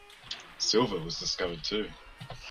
Silver was discovered too.